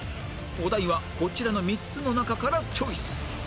お題はこちらの３つの中からチョイス